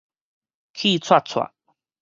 氣掣掣